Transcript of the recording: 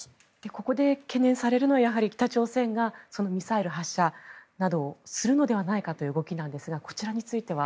ここで懸念されるのはやはり北朝鮮がミサイル発射などをするのではないかという動きなんですがこちらについては。